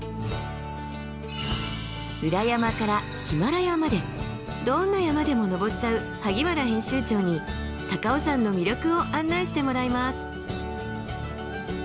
ウラヤマからヒマラヤまでどんな山でも登っちゃう萩原編集長に高尾山の魅力を案内してもらいます。